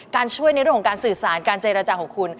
ช่วยในเรื่องของการสื่อสารการเจรจาของคุณ